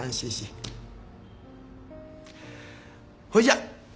ほいじゃ。